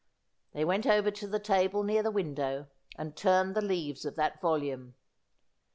They went over to the table near the window, and turned the leaves of that volume